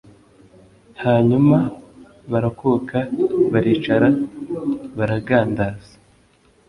hanyuma barakuka baricara baragandagaza